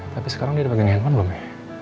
tapi sekarang dia udah pake handphone belum ya